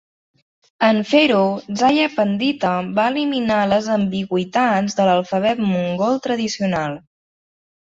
En fer-ho, Zaya Pandita va eliminar les ambigüitats de l'alfabet mongol tradicional.